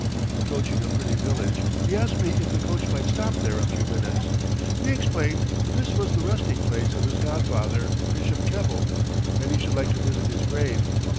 Approaching a pretty village he asked me if the coach might stop there a few minutes. He explained that this was the resting place of his godfather, Bishop Keble, and he should like to visit his grave.